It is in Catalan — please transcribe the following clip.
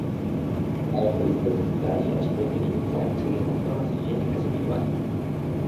El risc de contagi es pot minimitzar seguint les normes higièniques habituals.